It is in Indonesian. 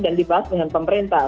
dan dibahas dengan pemerintah